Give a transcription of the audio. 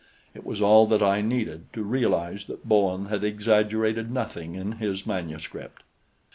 It was all that I needed to realize that Bowen had exaggerated nothing in his manuscript.